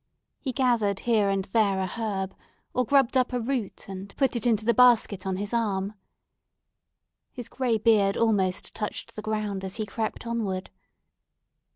He gathered here and there a herb, or grubbed up a root and put it into the basket on his arm. His gray beard almost touched the ground as he crept onward.